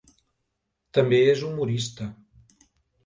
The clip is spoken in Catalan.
També és humorista.